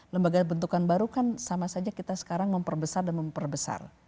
lembaga bentukan baru kan sama saja kita sekarang memperbesar dan memperbesar